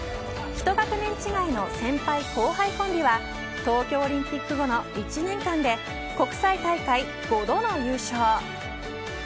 １学年違いの先輩後輩コンビは東京オリンピック後の１年間で国際大会５度の優勝。